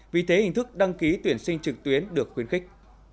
vì thế hình thức đăng ký tuyển sinh trực tuyến được khuyến khích